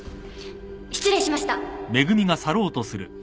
失礼しました。